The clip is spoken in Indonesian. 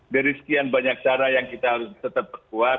dari sekian banyak cara yang kita harus tetap perkuat